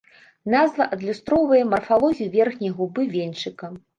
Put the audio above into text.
Назва адлюстроўвае марфалогію верхняй губы венчыка.